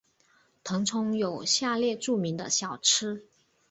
腾冲有下列著名的小吃。